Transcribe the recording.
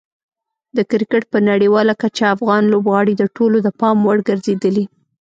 د کرکټ په نړیواله کچه افغان لوبغاړي د ټولو د پام وړ ګرځېدلي.